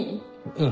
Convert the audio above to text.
うん。